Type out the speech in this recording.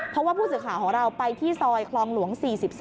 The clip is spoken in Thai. เพราะว่าผู้สื่อข่าวของเราไปที่ซอยคลองหลวง๔๒